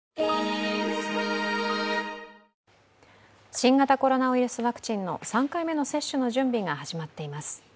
新型コロナウイルスワクチンの３回目の接種の準備が始まっています。